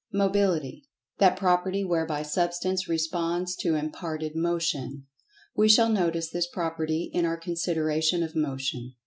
Mobility: That property whereby Substance responds to imparted Motion. We shall notice this property in our consideration of Motion.